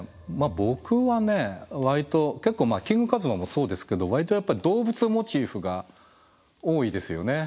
僕はね割と結構キングカズマもそうですけど割とやっぱり動物モチーフが多いですよね。